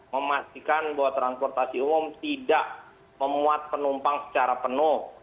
memastikan bahwa transportasi umum tidak memuat penumpang secara penuh